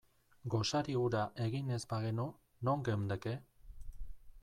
Gosari hura egin ez bagenu, non geundeke?